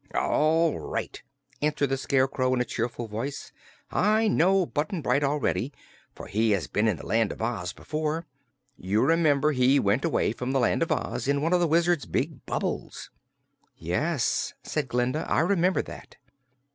"All right," answered the Scarecrow in a cheerful voice. "I know Button Bright already, for he has been in the Land of Oz before. You remember he went away from the Land of Oz in one of our Wizard's big bubbles." "Yes," said Glinda, "I remember that."